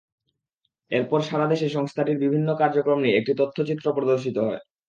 এরপর সারা দেশে সংস্থাটির বিভিন্ন কার্যক্রম নিয়ে একটি তথ্যচিত্র প্রদর্শিত হয়।